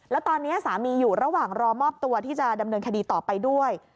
แล้วตอนนี้สามีอยู่ระหว่างรอมอบตัวที่จะดำเนินคดีต่อไปด้วย